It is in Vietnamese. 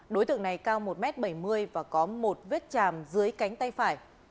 đối tượng này cao một m bảy mươi và có một vết chàm dưới cánh tay phải